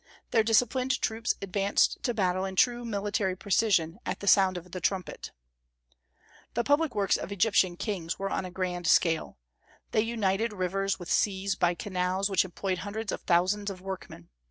Their disciplined troops advanced to battle in true military precision, at the sound of the trumpet. The public works of Egyptian kings were on a grand scale. They united rivers with seas by canals which employed hundreds of thousands of workmen.